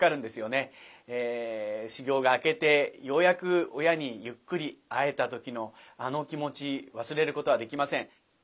修業が明けてようやく親にゆっくり会えた時のあの気持ち忘れることはできません。